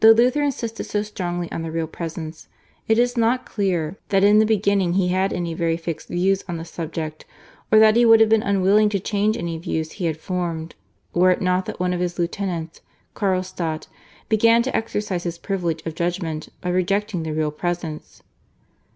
Though Luther insisted so strongly on the Real Presence, it is not clear that in the beginning he had any very fixed views on the subject, or that he would have been unwilling to change any views he had formed, were it not that one of his lieutenants, Carlstadt, began to exercise his privilege of judgment by rejecting the Real Presence.